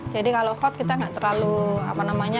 jadi kalau hot kita nggak terlalu apa namanya